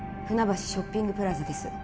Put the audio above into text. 船橋ショッピングプラザです